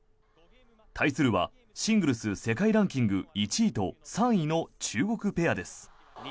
対するはシングルス世界ランキング１位と３位の中国ペアです。